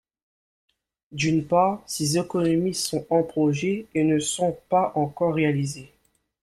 D’une part, ces économies sont en projet et ne sont pas encore réalisées.